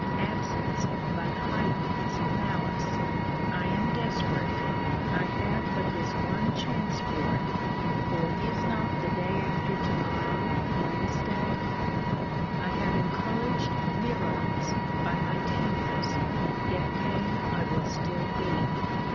Absence but heightens malice. I am desperate. I have but this one chance for it; for is not the day after to morrow Wednesday? I have encouraged virulence by my tameness. Yet tame I will still be.